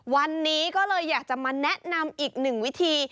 วันนี้ก็เลยอยากจะมาแนะนำอีกหนึ่งวิธี